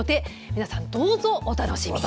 皆さん、どうぞお楽しみに。